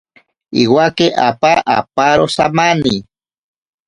Iwake apa aparo samani.